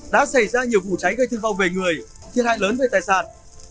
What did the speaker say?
đã xảy ra nhiều vụ cháy gây thương vong về người thiệt hại lớn về tài sản